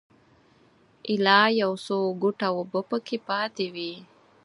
ایله یو څو ګوټه اوبه په کې پاتې وې.